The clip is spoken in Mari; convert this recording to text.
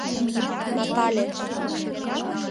Натале.